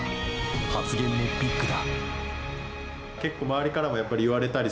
発言もビッグだ。